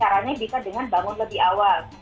caranya bisa dengan bangun lebih awal